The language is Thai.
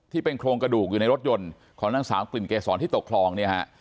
ที่เป็นโครงกระดูกอยู่ในรถยนต์ของนางสามกลิ่นเกษรที่ตกคลอง